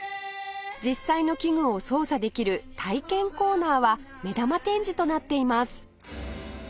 実際の器具を操作できる体験コーナーは目玉展示となっています